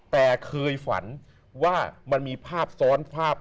แต่เคยฝันว่ามันมีภาพซ้อนภาพ